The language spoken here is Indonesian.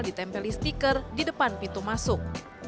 ditempeli stiker di depan pintu masuk